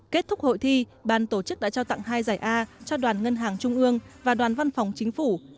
kết thúc hội thi ban tổ chức đã trao tặng hai giải a cho đoàn ngân hàng trung ương và đoàn văn phòng chính phủ